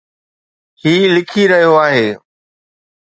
هي لکي رهيو آهي